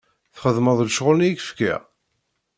Txedmeḍ ccɣl-nni i ak-fkiɣ?